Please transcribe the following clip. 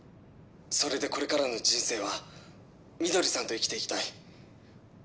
それでこれからの人生は翠さんと生きていきたい。